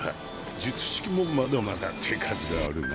術式もまだまだ手数があるな。